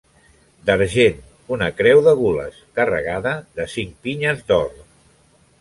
D'argent, una creu de gules carregada de cinc pinyes d'or.